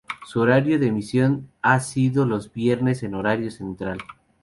Su horario de emisión ha sido los viernes en horario central.